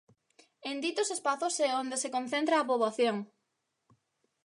En ditos espazos é onde se concentra a poboación.